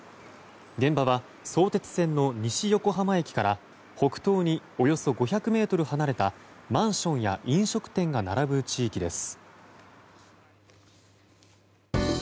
現場は相鉄線の西横浜駅から北東におよそ５００ｍ離れたマンションや飲食店が並ぶ地域です。